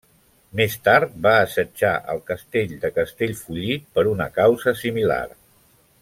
Més tard, va assetjar el Castell de Castellfollit per una causa similar.